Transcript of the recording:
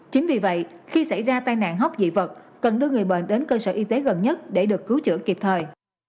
chính vì vậy khi xảy ra tai nạn hóc dị vật cần đưa người bệnh đến cơ sở y tế gần nhất để được cứu chữa kịp thời